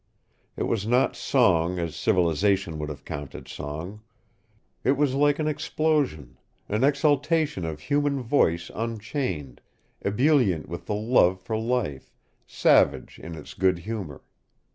It was not song as civilization would have counted song. It was like an explosion, an exultation of human voice unchained, ebullient with the love of life, savage in its good humor.